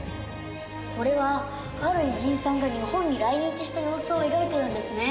これはある偉人さんが日本に来日した様子を描いてるんですね。